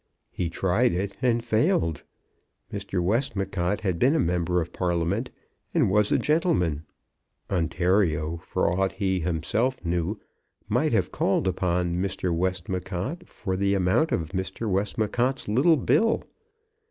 He tried it and failed. Mr. Westmacott had been a member of Parliament, and was a gentleman. Ontario, for aught he himself knew, might have called upon Mr. Westmacott for the amount of Mr. Westmacott's little bill.